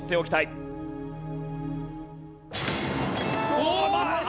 おっと！？